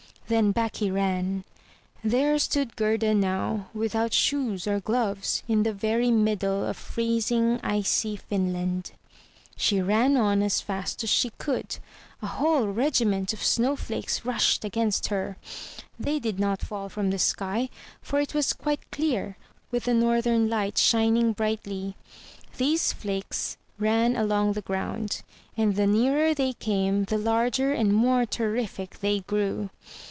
Then back he ran. There stood Gerda now, without shoes or gloves, in the very middle of freezing, icy Finland. She ran on as fast as she could. A whole regiment of snow flakes rushed against her. They did not fall from the sky, for it was quite clear, with the northern lights shining brightly. These flakes ran along the ground, and the nearer they came the larger and more terrific they grew.